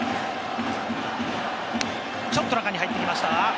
ちょっと中に入ってきましたが。